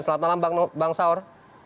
selamat malam bang saur